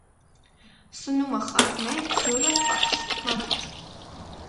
Սնումը խառն է, ջուրը՝ պարզ, մաքուր։